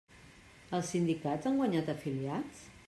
Els sindicats han guanyat afiliats?